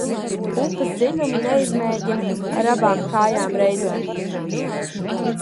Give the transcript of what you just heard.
Upes dziļumu neizmēģina ar abām kājām reizē.